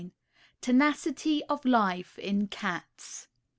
_] TENACITY OF LIFE IN CATS.